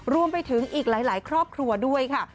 รวมไปถึงอีกหลายครอบครัวด้วยค่ะ